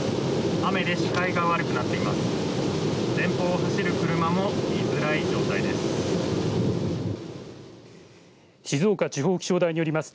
雨で視界が悪くなっています。